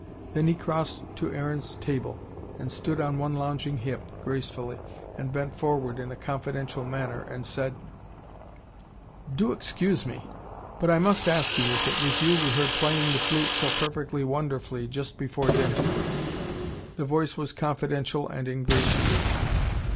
Then he crossed to Aaron's table, and stood on one lounging hip, gracefully, and bent forward in a confidential manner, and said: "Do excuse me. But I MUST ask you if it was you we heard playing the flute so perfectly wonderfully, just before dinner." The voice was confidential and ingratiating.